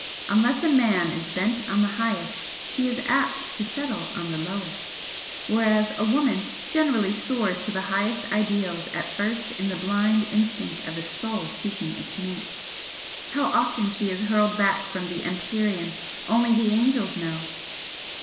Unless a man is bent on the highest, he is apt to settle on the lowest whereas a woman generally soars to the highest ideals at first in the blind instinct of a Soul seeking its mate how often she is hurled back from the empyrean only the angels know!